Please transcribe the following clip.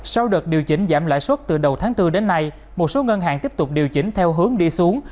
sau đợt điều chỉnh giảm lãi suất từ đầu tháng bốn đến nay một số ngân hàng tiếp tục điều chỉnh theo hướng đi xuống